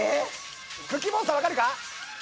クッキーモンスター分かるか？